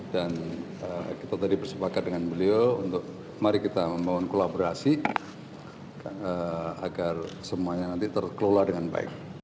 dan kita tadi bersepakat dengan beliau untuk mari kita membangun kolaborasi agar semuanya nanti terkelola dengan baik